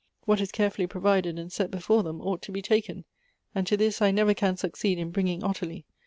What is carefully provided and set be fore them ought to be taken ; and to this I never can succeed in bringing Ottilie.